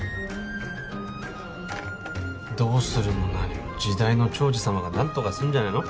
どうするも何も時代の寵児様が何とかするんじゃないの？